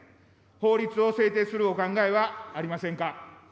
法律を制定するお考えはありませんか。